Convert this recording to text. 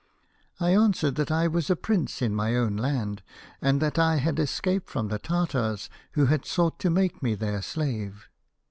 " I answered that I was a Prince in my own land, and that I had escaped from the Tartars, who had sought to make me their slave.